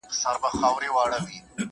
نیمګړي عمر ته مي ورځي د پېغور پاته دي،